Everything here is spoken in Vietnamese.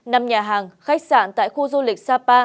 năm nhà hàng khách sạn tại khu du lịch sapa